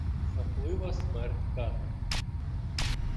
Жахлива смерть ката